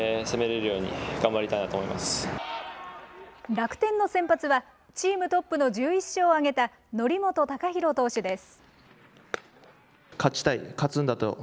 楽天の先発は、チームトップの１１勝を挙げた則本昂大投手です。